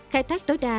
khai thác đối đa